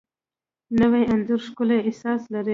نوی انځور ښکلی احساس لري